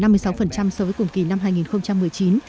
giảm năm mươi sáu so với cùng kỳ năm hai nghìn một mươi chín